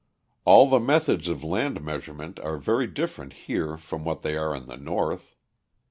All the methods of land measurement are very different here from what they are in the North.